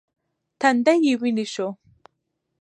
تندی یې ویني شو .